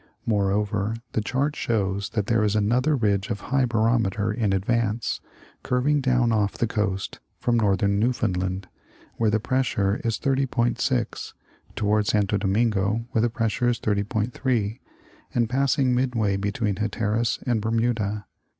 Moreover, the chart shows that there is another ridge of high barometer in advance, curving down ojffi the coast from northern Newfoundland, where the pressure is 30.6, toward Santo Domingo, where the pressure is 30.3, and passing midway between Hatteras and Bermuda.